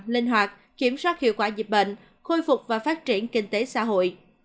linh hoạt kiểm soát hiệu quả dịch bệnh khôi phục và phát triển kinh tế xã hội